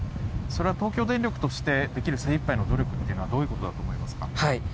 それは東京電力としてできる精いっぱいの努力はどういうことだと思いますか。